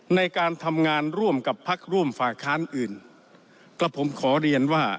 ในการทำงานร่วมกับพักร่วมฝ่ายค้านอื่นกับผมขอเรียนว่า